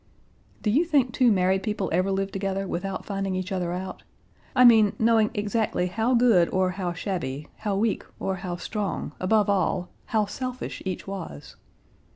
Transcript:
"Do you think two married people ever lived together without finding each other out? I mean, knowing exactly how good or how shabby, how weak or how strong, above all, how selfish each was?"